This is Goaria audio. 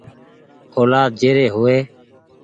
اولآد جي ري هووي ۔